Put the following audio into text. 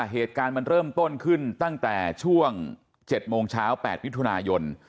เหตุการณ์มันเริ่มต้นขึ้นตั้งแต่ช่วง๗โมงเช้า๘มิถุนายน